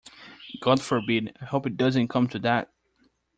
God forbid! I hope it doesn't come to that.